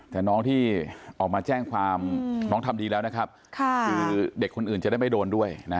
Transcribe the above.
แต่น้องที่ออกมาแจ้งความน้องทำดีแล้วนะครับคือเด็กคนอื่นจะได้ไม่โดนด้วยนะ